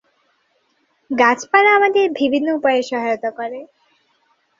গাছপালা আমাদের বিভিন্ন উপায়ে সহায়তা করে।